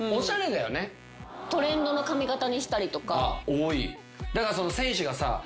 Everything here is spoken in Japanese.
多い。